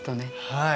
はい。